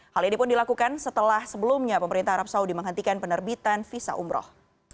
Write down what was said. hal ini pun dilakukan setelah sebelumnya pemerintah arab saudi menghentikan penerbitan visa umroh